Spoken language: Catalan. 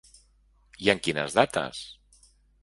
I en quines dates?